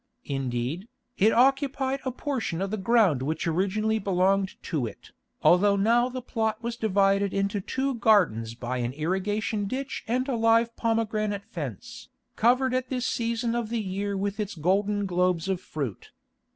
Indeed, it occupied a portion of the ground which originally belonged to it, although now the plot was divided into two gardens by an irrigation ditch and a live pomegranate fence, covered at this season of the year with its golden globes of fruit.